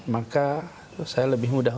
maka saya lebih mudah